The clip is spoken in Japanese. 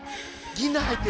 ぎんなん入ってる。